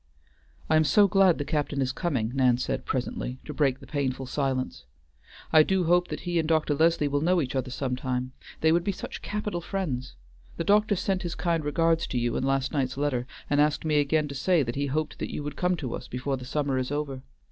"I am so glad the captain is coming," Nan said presently, to break the painful silence. "I do hope that he and Dr. Leslie will know each other some time, they would be such capital friends. The doctor sent his kind regards to you in last night's letter, and asked me again to say that he hoped that you would come to us before the summer is over.